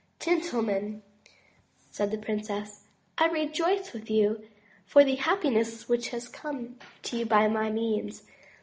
"Gentlemen," said the princess, "I rejoice with you for the happiness which has come to you by my means.